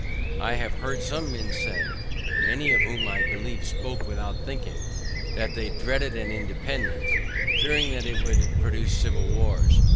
I have heard some men say, many of whom I believe spoke without thinking, that they dreaded an independance, fearing that it would produce civil wars.